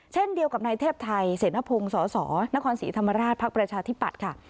เช่นเดียวกับนายเทพไทยเสนพงศ์สสนครศรีธรรมราชภักดิ์ประชาธิปัตย์ค่ะ